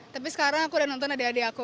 tapi sekarang aku udah nonton adik adik aku